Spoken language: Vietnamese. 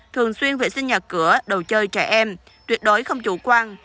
thường xuyên vệ sinh nhà cửa đầu chơi trẻ em tuyệt đối không chủ quan